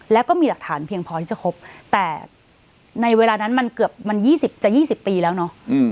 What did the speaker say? แล้วก็มีหลักฐานเพียงพอที่จะครบแต่ในเวลานั้นมันเกือบมัน๒๐จะ๒๐ปีแล้วเนอะ